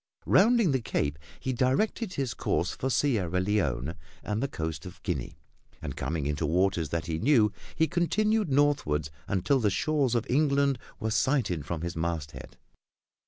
Rounding the Cape, he directed his course for Sierra Leone and the Coast of Guinea, and, coming into waters that he knew, he continued northward until the shores of England were sighted from his masthead.